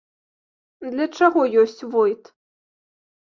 Для чаго ёсць войт?